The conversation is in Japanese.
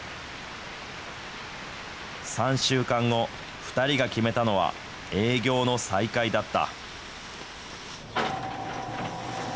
３週間後、２人が決めたのは、営業の再開だった。